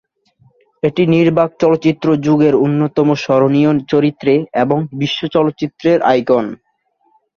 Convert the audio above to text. এটি নির্বাক চলচ্চিত্র যুগের অন্যতম স্মরণীয় চরিত্রে এবং বিশ্ব চলচ্চিত্রের আইকন।